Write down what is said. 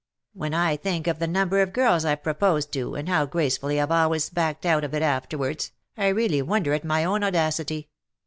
When I think of the number of girls I^ve pro posed tOj and how gracefully Tve always backed out of it afterwards, I really wonder at my own audacity.